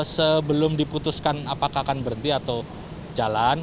sebelum diputuskan apakah akan berhenti atau jalan